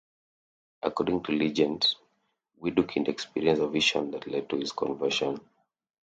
According to legend, Widukind experienced a vision that led to his conversion.